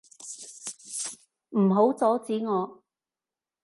唔好阻止我！